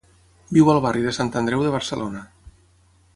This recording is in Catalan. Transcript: Viu al barri de Sant Andreu de Barcelona.